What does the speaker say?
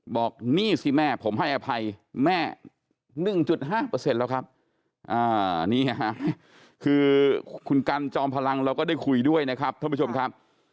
บอกนี่สิแม่ผมให้อภัยแม่๑๕แล้วครับนี่ฮะคือคุณกันจอมพลังเราก็ได้คุยด้วยนะครับท่านผู้ชมครับ